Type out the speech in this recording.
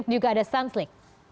juga ada sunslick